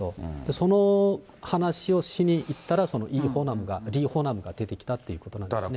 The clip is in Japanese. その話をしに行ったら、そのリ・ホナムが出てきたということなんですね。